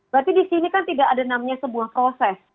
berarti di sini kan tidak ada namanya sebuah proses